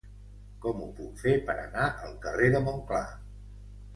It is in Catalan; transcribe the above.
Com ho puc fer per anar al carrer de Montclar?